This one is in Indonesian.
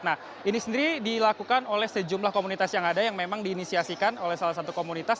nah ini sendiri dilakukan oleh sejumlah komunitas yang ada yang memang diinisiasikan oleh salah satu komunitas